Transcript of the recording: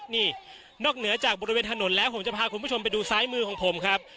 นี่นอกเหนือจากบริเวณถนนแล้วผมจะพาคุณผู้ชมไปดูซ้ายมือของผมครับ